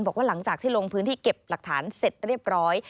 บอกว่าหลังจากที่ลงพื้นที่เก็บหลักฐานเสร็จเรียบร้อย